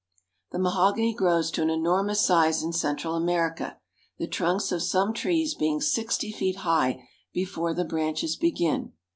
The mahogany grows to an enormous size in Central America, the trunks of some trees being sixty feet high before the branches begin.